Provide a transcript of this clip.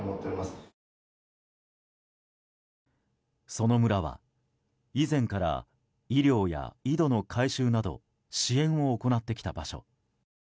その村は以前から医療や井戸の改修など支援を行ってきた場所。